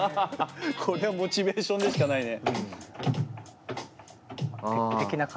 こりゃモチベーションでしかないね！